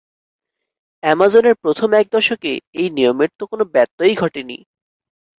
অ্যামাজনের প্রথম এক দশকে এই নিয়মের তো কোনো ব্যতয়ই ঘটেনি।